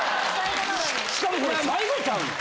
しかもこれ最後ちゃうの？